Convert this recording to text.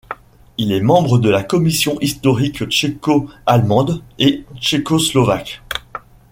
Il est membre de la commission historique tchéco-allemande et tchécoslovaque.